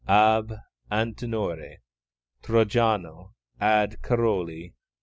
ab Antenore Trojano, ad Caroli III.